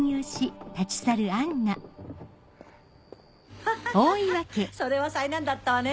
ハハハそれは災難だったわね